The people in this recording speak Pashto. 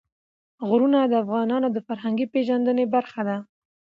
غرونه د افغانانو د فرهنګي پیژندنې برخه ده.